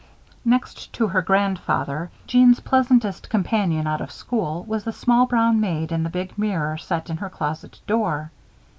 Next to her grandfather, Jeanne's pleasantest companion out of school was the small brown maid in the big mirror set in her closet door.